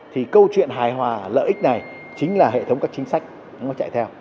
thì câu chuyện hài hòa lợi ích này chính là hệ thống các chính sách nó chạy theo